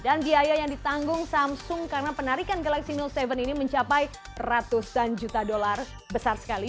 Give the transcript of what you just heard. dan biaya yang ditanggung samsung karena penarikan galaxy note tujuh ini mencapai ratusan juta dolar besar sekali